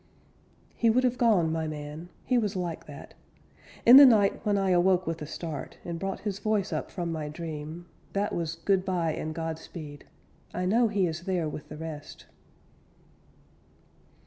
"He would have gone, my man; He was like that. In the night When I awoke with a start, And brought his voice up from my dream: That was goodbye and godspeed. _I know he is there with the rest."